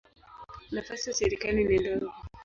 Nafasi ya serikali ni ndogo.